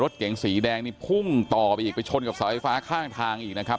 รถเก๋งสีแดงนี่พุ่งต่อไปอีกไปชนกับเสาไฟฟ้าข้างทางอีกนะครับ